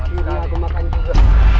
akhirnya aku makan juga